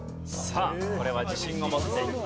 さあこれは自信を持っていきました。